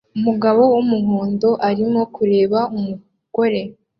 Umugabo wumuhondo arimo kureba umugore